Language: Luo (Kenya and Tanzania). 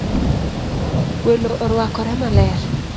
Welo orwakore maler